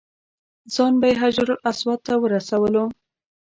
ځان به یې حجر اسود ته ورسولو.